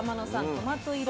トマト色。